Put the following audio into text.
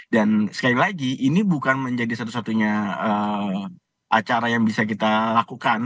dan sekali lagi ini bukan menjadi satu satunya acara yang bisa kita lakukan